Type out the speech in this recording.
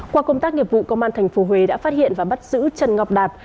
qua công tác nghiệp vụ công an tp huế đã phát hiện và bắt giữ trần ngọc đạt